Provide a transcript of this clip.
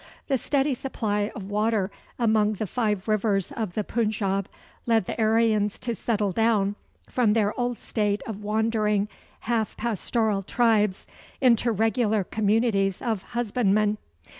The steady supply of water among the five rivers of the Punjab led the Aryans to settle down from their old state of wandering half pastoral tribes into regular communities of husbandmen.